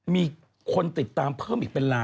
มีคนติดตามเพิ่มอีกเป็นล้าน